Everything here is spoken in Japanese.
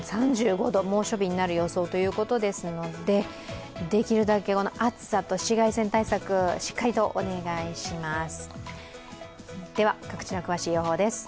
３５度猛暑日になる予想ということですので、できるだけ暑さと紫外線対策しっかりとお願いします。